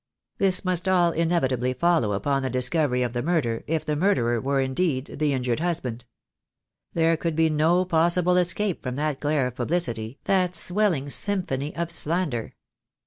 This must all inevitably follow upon the discovery of the murder, if the murderer were indeed the injured husband. There could be no possible escape from that glare of publicity, that swelling symphony of slander.